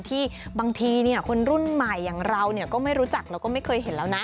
ที่บางทีคนรุ่นใหม่อย่างเราก็ไม่รู้จักแล้วก็ไม่เคยเห็นแล้วนะ